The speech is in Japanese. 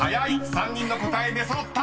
３人の答え出揃った］